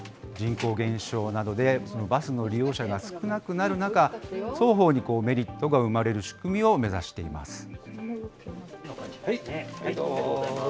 人口減少などでバスの利用者が少なくなる中、双方にメリットが生まれる仕組みを目指しています。